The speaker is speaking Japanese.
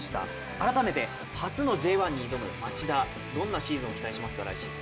改めて初のＪ１に挑む町田来シーズン、どんなシーズンを期待しますか？